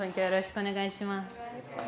お願いします。